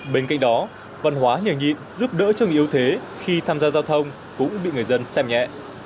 bên cạnh đó văn hóa nhờ nhịn giúp đỡ cho người yếu thế khi tham gia giao thông cũng bị người dân xem nhẹ